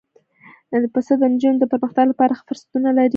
پسه د نجونو د پرمختګ لپاره ښه فرصتونه لري.